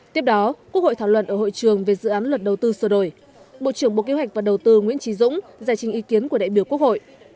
tiếp đó quốc hội thảo luận ở hội trường về dự án luật đầu tư sửa đổi bộ trưởng bộ kế hoạch và đầu tư nguyễn trí dũng giải trình ý kiến của đại biểu quốc hội